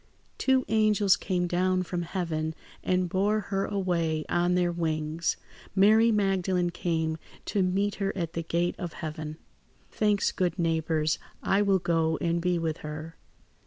"Two angels came down from heaven and bore her away on their wings. Mary Magdalene came to meet her at the gate of heaven. "Thanks, good neighbours. I will go and be with her.